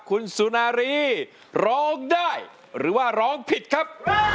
คุณสุนารีร้องได้หรือว่าร้องผิดครับ